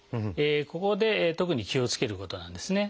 ここで特に気をつけることなんですね。